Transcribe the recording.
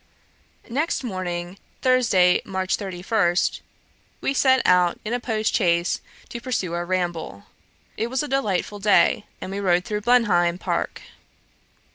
Next morning, Thursday, March 31, we set out in a post chaise to pursue our ramble. It was a delightful day, and we rode through Blenheim park.